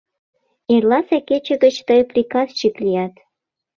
Эрласе кече гыч тый приказчик лият.